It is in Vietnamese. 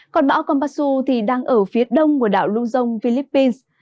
còn bão kompasu thì đang ở phía đông của đảo luzon philippines